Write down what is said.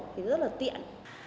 thì rất là tiện